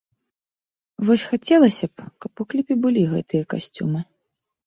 Вось, хацелася б, каб у кліпе былі гэтыя касцюмы.